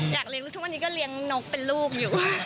อยากเลี้ยงลูกทุกวันนี้ก็เลี้ยงนกเป็นลูกอยู่